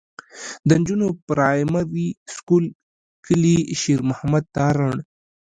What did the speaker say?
د نجونو پرائمري سکول کلي شېر محمد تارڼ.